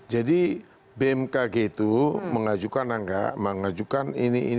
jadi bmkg itu mengajukan atau enggak mengajukan ini ini yang penting